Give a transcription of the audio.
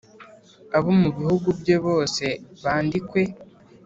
abo mu bihugu bye bose bandikwe .